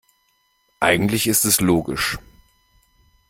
Eigentlich ist es logisch.